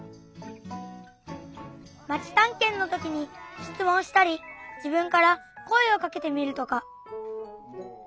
まちたんけんのときにしつもんしたり自分から声をかけてみるとか。